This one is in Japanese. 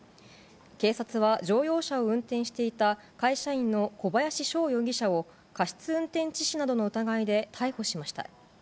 警察は乗用車を運転していた会社員の小林翔容疑者を、過失運転致死などの疑いで逮捕しました。